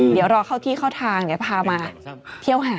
เดี๋ยวรอเข้าที่เข้าทางเดี๋ยวพามาเที่ยวหา